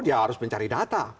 dia harus mencari data